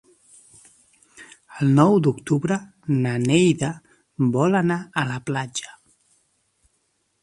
El nou d'octubre na Neida vol anar a la platja.